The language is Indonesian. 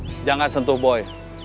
tolong jangan sentuh boy